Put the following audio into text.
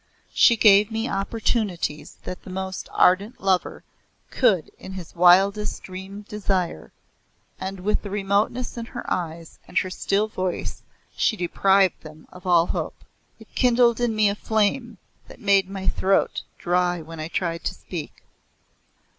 She gave me opportunities that the most ardent lover could in his wildest dream desire, and with the remoteness in her eyes and her still voice she deprived them of all hope. It kindled in me a flame that made my throat dry when I tried to speak.